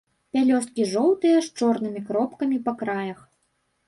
Пялёсткі жоўтыя з чорнымі кропкамі па краях.